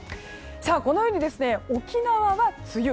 このように沖縄は梅雨